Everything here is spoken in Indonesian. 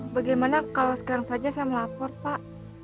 bagaimana kalau sekarang saja saya melapor pak